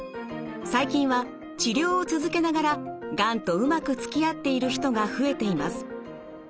最近は治療を続けながらがんとうまくつきあっている人が増えています。